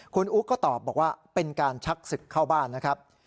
คุณอุ๊กก็ตอบบอกว่าเป็นการชักศึกเข้าบ้านนะครับ